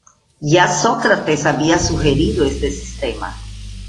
Ya Sócrates había sugerido este sistema.